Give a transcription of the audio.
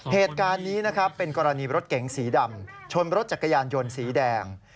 เหตุการณ์นี้นะครับเป็นกรณีรถเก๋งสีดำชนรถจักรยานยนต์สีแดง